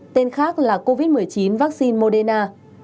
tên khác là covid một mươi chín vaccine moderna